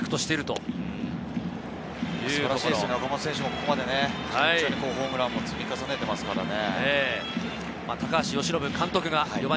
岡本選手もここまで順調にホームランも積み重ねていますからね。